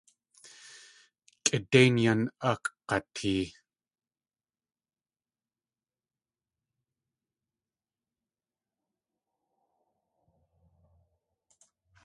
Kʼidéin yan akg̲atee.